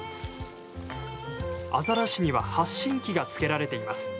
アザラシには発信器が付けられています。